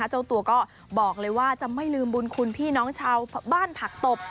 เจ้าตัวก็บอกเลยว่าจะไม่ลืมบุญคุณพี่น้องชาวบ้านผักตบ